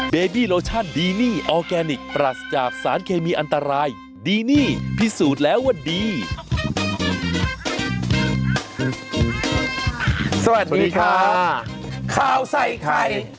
สวัสดีครับขาวใส่ไข่โซ่ดอื้อแอบอีกอ่าอ่าอ่า